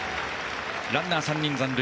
ランナー３人残塁。